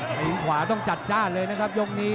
ตีนขวาต้องจัดจ้านเลยนะครับยกนี้